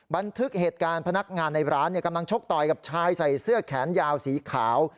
บันทึกเหตุการณ์พนักงานในร้านกำลังชกต่อยกับชายใส่เสื้อแขนยาวสีขาว